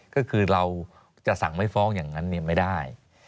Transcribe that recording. ก็คือเราจะสั่งไม่ฟ้องอย่างนั้นไม่ได้